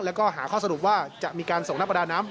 แล้วก็หาข้อสรุปว่าจะมีการส่งนักประดาน้ำ